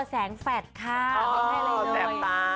อ๋อแสงปลา